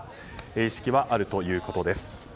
意識はあるということです。